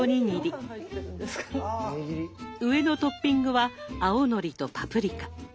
上のトッピングは青のりとパプリカ。